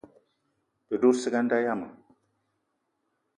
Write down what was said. Te dout ciga a nda yiam.